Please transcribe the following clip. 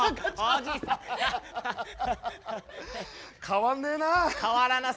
変わんねえな。